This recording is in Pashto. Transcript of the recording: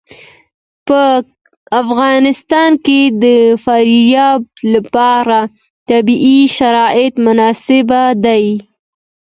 په افغانستان کې د فاریاب لپاره طبیعي شرایط مناسب دي.